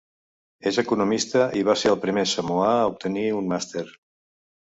És economista i va ser el primer samoà a obtenir un Màster.